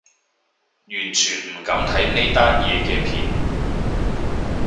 完全唔敢睇呢單嘢嘅片